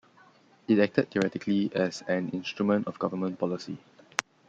It acted, theoretically, as an instrument of government policy.